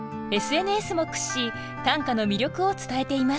ＳＮＳも駆使し短歌の魅力を伝えています。